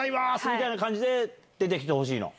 みたいな感じで出てほしいの？